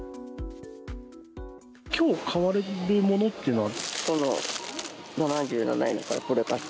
今日買われるものっていうのは。